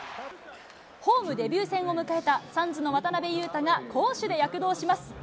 ホームデビュー戦を迎えたサンズの渡邊雄太が、攻守で躍動します。